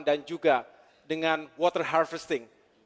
dan juga dengan water harvesting